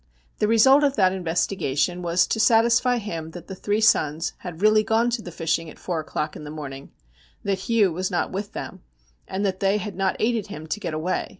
The result of that investigation was to satisfy him that the three sons had really gone to the fishing at four o'clock in the morning, that Hugh was not with them, and that they had not aided him to get away.